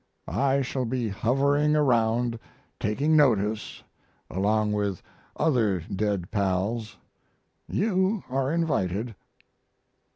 I shall be hovering around taking notice, along with other dead pals. You are invited.